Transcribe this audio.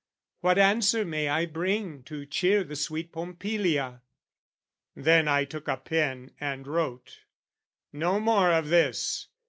"What answer may I bring to cheer the sweet "Pompilia?" Then I took a pen and wrote. "No more of this!